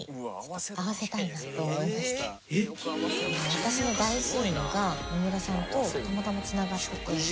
私の大親友が野村さんとたまたま繋がってて。